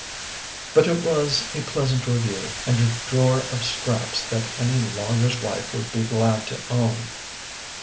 But it was a pleasant review and a drawer of scraps that any lawyer s wife would be glad to own.